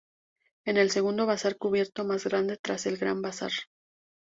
Es el segundo bazar cubierto más grande tras el Gran Bazar.